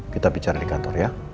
kita bicara di kantor ya